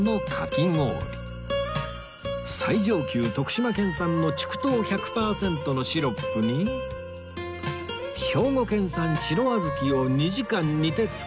最上級徳島県産の竹糖１００パーセントのシロップに兵庫県産白あずきを２時間煮て作る粒あん